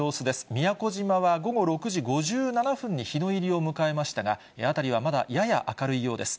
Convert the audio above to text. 宮古島は午後６時５７分に日の入りを迎えましたが、辺りはまだやや明るいようです。